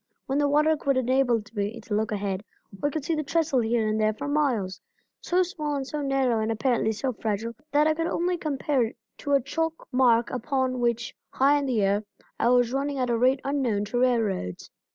When the water would enable me to look ahead, I could see the trestle here and there for miles; so small and so narrow and apparently so fragile that I could only compare it to a chalk mark upon which, high in the air, I was running at a rate unknown to railroads.